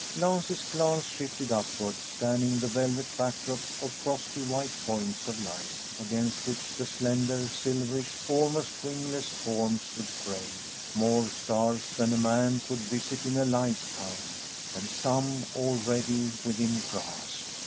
Lance's glance shifted upward, scanning the velvet backdrop of frosty white points of light against which the slender, silverish, almost wingless form stood framed. More stars than a man could visit in a lifetime! And some already within grasp!